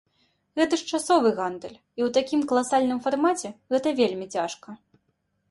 Гэта ж часовы гандаль, і ў такім каласальным фармаце гэта вельмі цяжка.